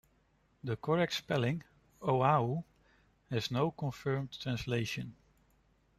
The correct spelling - Oahu - has no confirmed translation.